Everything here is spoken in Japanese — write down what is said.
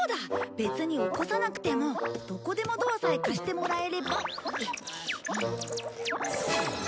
別に起こさなくてもどこでもドアさえ貸してもらえれば。